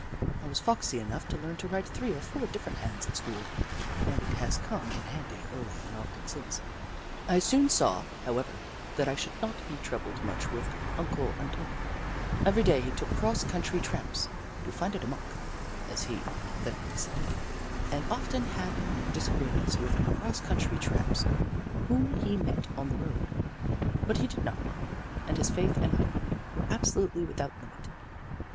I was foxy enough to learn to write three or four different hands at school and it has come in handy early and often since. I soon saw, however, that I should not be troubled much with Uncle Antonio. Every day he took long, cross country tramps, " to hnda da monk," as he pathetically said, and often having disagreements with cross country tramps whom he met on the road. But he did not mind, and his faith and hope were ab solutely without limit.